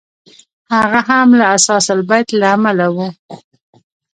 هغه هم له اثاث البیت له امله و.